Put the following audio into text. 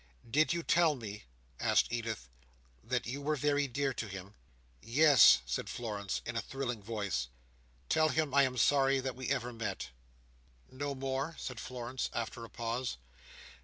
"Did you tell me," asked Edith, "that you were very dear to him?" "Yes!" said Florence, in a thrilling voice. "Tell him I am sorry that we ever met." "No more?" said Florence after a pause.